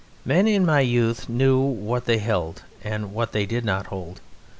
Men in my youth knew what they held and what they did not hold.